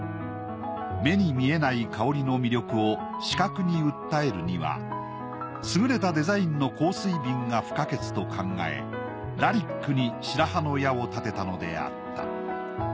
目に見えない香りの魅力を視覚に訴えるには優れたデザインの香水瓶が不可欠と考えラリックに白羽の矢を立てたのであった。